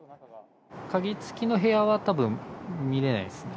鍵付きの部屋は、たぶん見えないですね。